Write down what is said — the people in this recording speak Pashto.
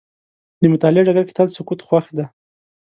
د مطالعې ډګر کې تل سکوت خوښ دی.